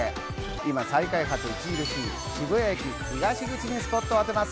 今、再開発が著しい、渋谷駅東口にスポットを当てます。